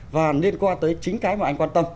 và liên quan tới chính cái mà anh quan tâm